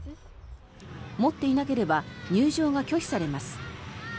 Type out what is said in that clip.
持っていなければ入場が拒否されます。